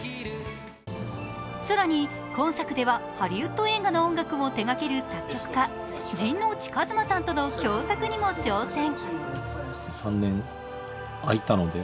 更に今作ではハリウッド映画の音楽も手がける音楽家、陣内一真さんとの共作にも挑戦。